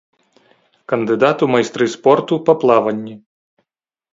Кандыдат у майстры спорту па плаванні.